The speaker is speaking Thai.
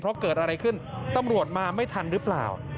เพราะเกิดอะไรขึ้นตำรวจมาไม่ทันหรือเปล่า